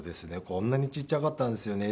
こんなにちっちゃかったんですよね